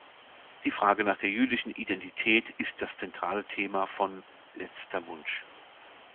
Die Frage nach der jüdischen Identität ist das zentrale Thema von "Letzter Wunsch".